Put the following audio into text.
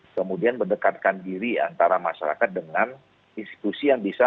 kemudian mendekatkan diri antara masyarakat dengan institusi yang bisa